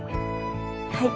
はい。